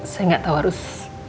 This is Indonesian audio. saya gak tau harus